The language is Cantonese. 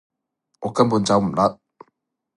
我根本走唔甩